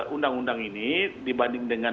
undang undang ini dibanding dengan